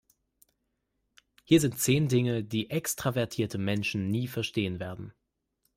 Hier sind zehn Dinge, die extravertierte Menschen nie verstehen werden.